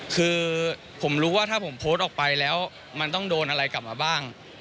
คือผมรู้ว่าถ้าผมโพสต์ออกไปแล้วมันต้องโดนอะไรกลับมาบ้าง